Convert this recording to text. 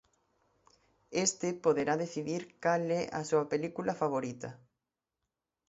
Este poderá decidir cal é a súa película favorita.